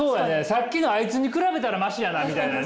さっきのあいつに比べたらマシやなみたいなね。